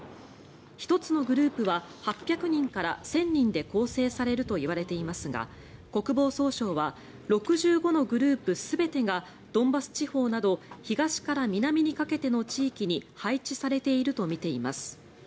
１つのグループは８００人から１０００人で構成されるといわれていますが国防総省は６５のグループ全てがドンバス地方など東から南にかけての地域に配置されているとみています。